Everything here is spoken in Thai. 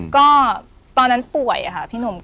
ก็ตอนนั้นป่วยค่ะพี่หนุ่ม